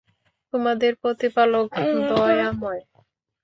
তোমাদের প্রতিপালক দয়াময়।